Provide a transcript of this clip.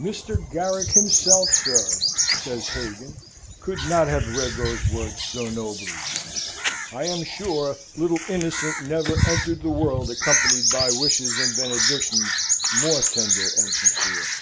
"Mr. Garrick himself, sir," says Hagan, "could not have read those words so nobly. I am sure little innocent never entered the world accompanied by wishes and benedictions more tender and sincere."